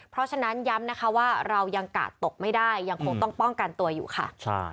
เพราะฉะนั้นย้ำนะคะว่าเรายังกาดตกไม่ได้ยังคงต้องป้องกันตัวอยู่ค่ะ